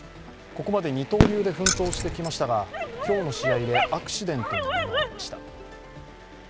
ここまで二刀流で奮闘してきましたが今日の試合でアクシデントに見舞われました。